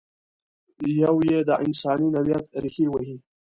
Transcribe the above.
یو یې د انساني نوعیت ریښې وهي.